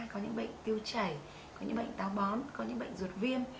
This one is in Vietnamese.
có những bệnh tiêu chảy có những bệnh táo bón có những bệnh ruột viêm